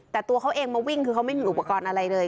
แต่ตัวเขาเองมาวิ่งคือเขาไม่มีอุปกรณ์อะไรเลย